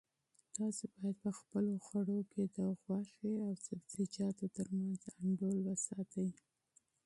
تاسو باید په خپلو خوړو کې د غوښې او سبزیجاتو ترمنځ انډول وساتئ.